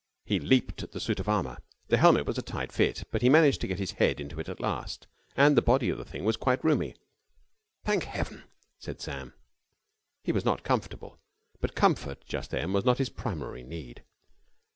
He leaped at the suit of armour. The helmet was a tight fit, but he managed to get his head into it at last, and the body of the thing was quite roomy. "Thank heaven!" said Sam. He was not comfortable, but comfort just then was not his primary need.